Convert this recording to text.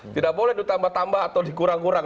tidak boleh ditambah tambah atau dikurang kurang